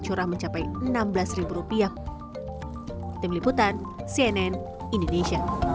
minyak goreng curah mencapai rp enam belas